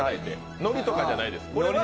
ノリとかじゃないです。